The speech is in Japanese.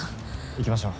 行きましょう。